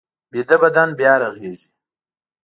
ویده بدن بیا رغېږي